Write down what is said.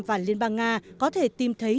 và liên bang nga có thể tìm thấy